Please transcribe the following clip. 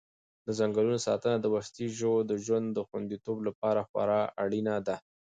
د ځنګلونو ساتنه د وحشي ژویو د ژوند د خوندیتوب لپاره خورا اړینه ده.